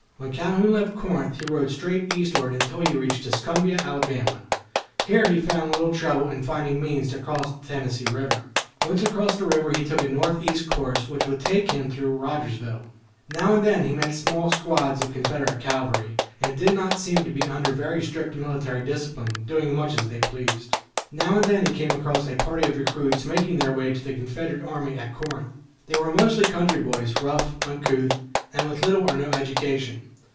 When Calhoun left Corinth, he rode straight eastward, until he reached Tuscumbia, Alabama. Here he found little trouble in finding means to cross the Tennessee River. Once across the river he took a northeast course, which would take him through Rogersville. Now and then he met small squads of Confederate cavalry. They were scouting through the country, and did not seem to be under very strict military discipline, doing much as they pleased. Now and then he came across a party of recruits making their way to the Confederate army at Corinth. They were mostly country boys, rough, uncouth, and with little or no education.